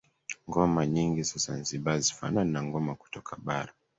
Ngoma nyingi za Zanzibar hazifanani na ngoma kutoka bara